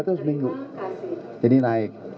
itu seminggu jadi naik